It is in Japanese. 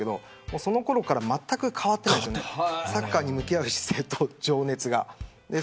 そのころからまったく変わっていないサッカーに向き合う姿勢と情熱が。